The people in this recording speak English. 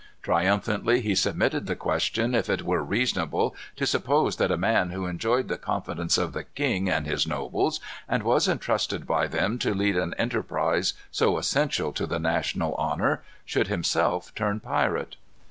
Triumphantly he submitted the question if it were reasonable to suppose that a man who enjoyed the confidence of the king and his nobles, and was intrusted by them to lead an enterprise so essential to the national honor, should himself turn pirate.